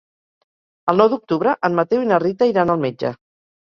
El nou d'octubre en Mateu i na Rita iran al metge.